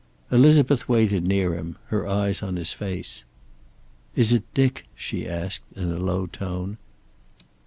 Elizabeth waited near him, her eyes on his face. "Is it Dick?" she asked in a low tone.